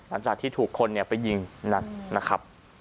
หลังจากที่ถูกคนไปยิงหนักนะครับ